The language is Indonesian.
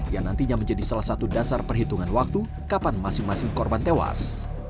yang nantinya menjadi salah satu dasar perhitungan waktu kapan masing masing korban tewas